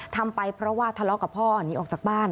ทำไปเพราะว่าทะเลาะกับพ่อหนีออกจากบ้าน